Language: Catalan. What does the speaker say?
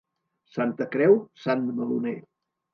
Santa Creu, sant meloner.